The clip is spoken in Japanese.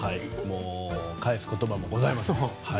返す言葉もございません。